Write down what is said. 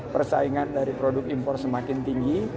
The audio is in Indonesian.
persaingan dari produk impor semakin tinggi